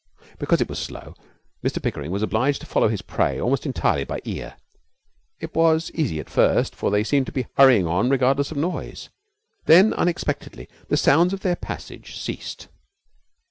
Because it was slow, Mr Pickering was obliged to follow his prey almost entirely by ear. It was easy at first, for they seemed to be hurrying on regardless of noise. Then unexpectedly the sounds of their passage ceased.